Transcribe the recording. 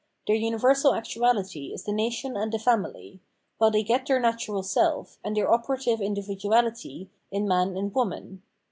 Tlieir nniversal actuality is the nation and the family ; while they get their natural self, and their operative individuality, in man and woman.